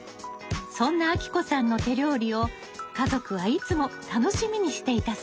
そんなあきこさんの手料理を家族はいつも楽しみにしていたそうです。